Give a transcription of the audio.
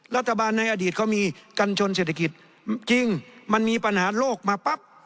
รัฐบาลในอดีตเขามีกัญชนเศรษฐกิจจริงมันมีปัญหาโลกมาปั๊บ